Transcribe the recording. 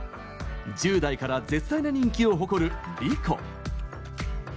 １０代から絶大な人気を誇る莉子！